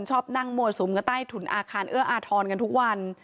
ชอบนั่งมั่วสุมกันใต้ถุนอาคารเอื้ออาทรกันทุกวัน